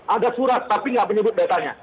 ada surat tapi gak penyebut datanya